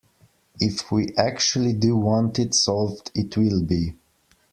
If we actually do want it solved, it will be.